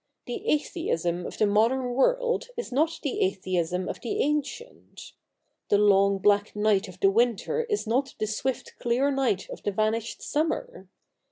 The Atheism of the modern world is not the Atheism of the ancient : the long black night of the winter is not the swift clear night of the vanished summer.